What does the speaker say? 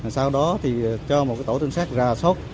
sau đó thì cho một cái tổ tinh sát ra sót